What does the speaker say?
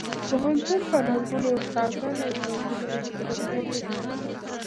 پوهنتون په لسګونو استادان او زرګونه محصلین لري